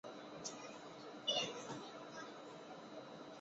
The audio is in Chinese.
司珀斯古罗马宗教和神话中职司希望的女性神只之一。